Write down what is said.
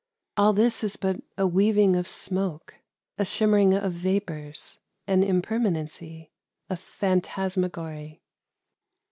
All this is but a weaving of smoke, — a shimmer ing of vapors, — an impermanency, — a phan tasmagory.